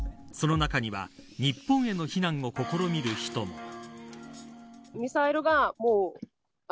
その中には日本への避難を試みる人も。